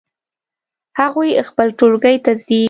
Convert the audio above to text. هغوی خپل ټولګی ته ځي